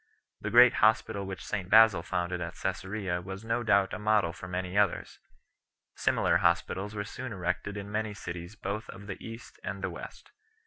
The great hospital which St Basil 6 founded at Csesarea was no doubt a model for many others. Similar hospitals were soon erected in many cities both of the East and the West.